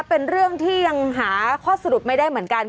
เป็นเรื่องที่ยังหาข้อสรุปไม่ได้เหมือนกัน